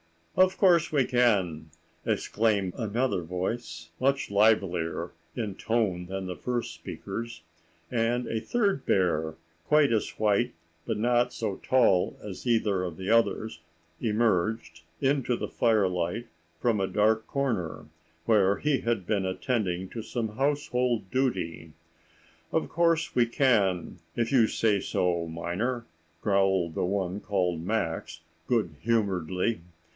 "Of course we can," exclaimed another voice, much livelier in tone than the first speaker's, and a third bear, quite as white but not so tall as either of the others, emerged into the firelight from a dark corner, where he had been attending to some household duty. "Of course we can, if you say so, Minor," growled the one called Max, good humouredly.